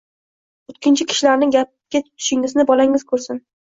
O‘tkinchi kishilarni gapga tutishingizni bolangiz ko‘rsin